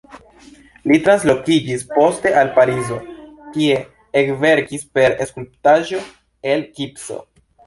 Li translokiĝis poste al Parizo kie ekverkis per skulptaĵo el gipso.